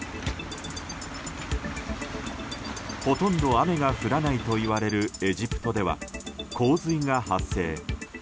ほとんど雨が降らないといわれるエジプトでは洪水が発生。